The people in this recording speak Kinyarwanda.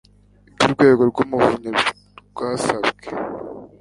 ibyo urwego rw'umuvunyi rwasabwe